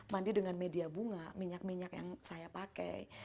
mandi dengan media bunga minyak minyak yang saya pakai